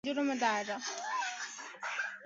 元禄是日本的年号之一。